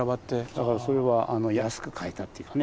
だからそれは安く買えたっていうかね。